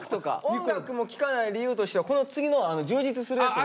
音楽も聴かない理由としてはこの次の充実するやつを。